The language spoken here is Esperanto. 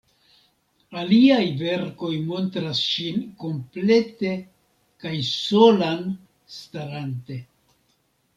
Aliaj verkoj montras ŝin komplete kaj solan, starante.